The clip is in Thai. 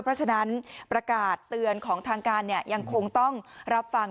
เพราะฉะนั้นประกาศเตือนของทางการยังคงต้องรับฟัง